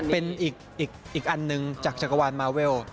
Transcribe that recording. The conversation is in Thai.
เป็นอีกอันหนึ่งจากจักรวาลมาเวล